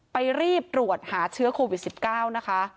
ไปรีบตรวจหาเชื้อโควิด๑๙นะคะ